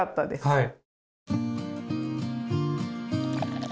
はい。